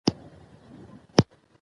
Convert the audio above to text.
ګړد وړه دی نه وي، خو چې سات تیر وي.